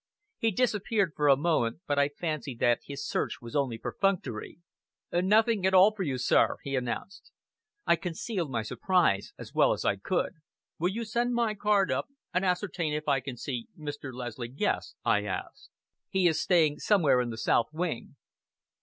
He disappeared for a moment, but I fancied that his search was only perfunctory. "Nothing at all for you, sir," he announced. I concealed my surprise as well as I could. "Will you send my card up and ascertain if I can see Mr. Leslie Guest?" I asked. "He is staying somewhere in the south wing."